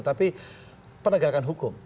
tapi penegakan hukum